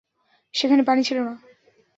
সেখানে পানি ছিল না।